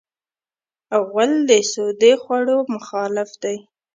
غول د سودي خوړو مخالف دی.